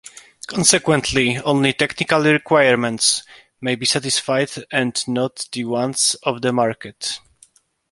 Consequently, only technical requirements may be satisfied and not the ones of the market.